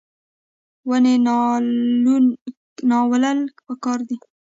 ونې نالول پکار دي